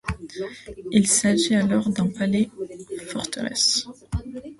Il s'agit alors d'un palais-forteresse.